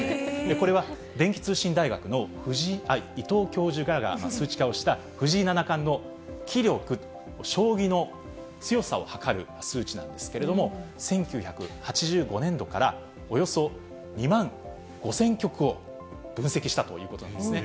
これは電気通信大学の伊藤教授らが数値化をした、藤井七冠の棋力、将棋の強さをはかる数値なんですけれども、１９８５年度から、およそ２万５０００局を分析したということなんですね。